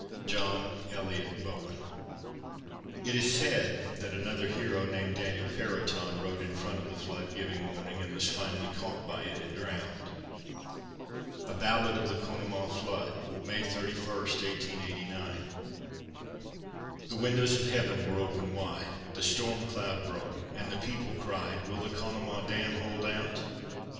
JOHN ELIOT BOWEN. It is said that another hero named Daniel Periton rode in front of the flood giving warning, and was finally caught by it and drowned. A BALLAD OF THE CONEMAUGH FLOOD [May 31, 1889] The windows of Heaven were open wide, The storm cloud broke, and the people cried, Will Conemaugh dam hold out?